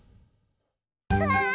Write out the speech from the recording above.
うわ！